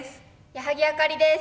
矢作あかりです。